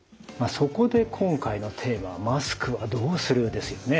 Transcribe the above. そこで今回のテーマはマスクはどうする？ですよね。